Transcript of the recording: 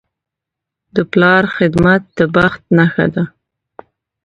د پلار خدمت د بخت نښه ده.